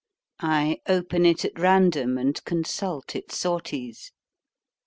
I open it at random and consult its sortes.